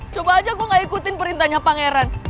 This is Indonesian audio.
coba aja gue gak ikutin perintahnya pangeran